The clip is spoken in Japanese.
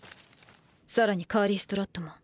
さらにカーリー・ストラットマン。